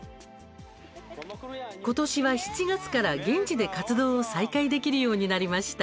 ことしは７月から現地で活動を再開できるようになりました。